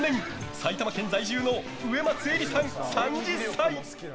埼玉県在住の上松愛里さん、３０歳。